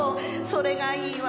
それがいいわ。